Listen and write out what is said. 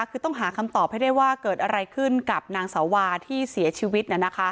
คือต้องหาคำตอบให้ได้ว่าเกิดอะไรขึ้นกับนางสาวาที่เสียชีวิต